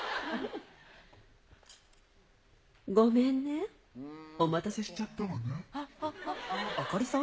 ごめんね、お待たせしちゃっあかりさん？